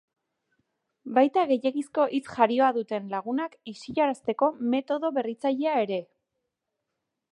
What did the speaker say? Baita gehiegizko hitz-jarioa duten lagunak isilarazteko metodo berritzailea ere.